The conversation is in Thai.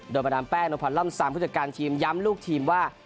โดยประดามแป้งนวพันธ์ล่ำซามผู้จัดการทีมย้ำลูกทีมว่า